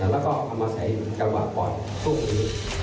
แล้วก็เอามาใช้ในกรรวรรค์ปลอดภูมิ